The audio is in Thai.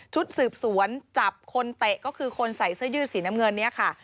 ชุดสืบสวนจับคนเตะก็คือคนใส่เสื้อยืดสีน้ำเงินเนี่ยค่ะ